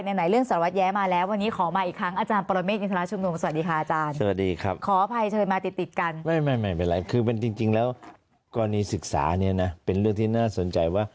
ในไหนเรื่องสารวัตรแย้มาแล้ว